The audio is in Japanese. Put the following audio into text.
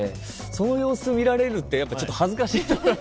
その様子見られるってやっぱちょっと恥ずかしい。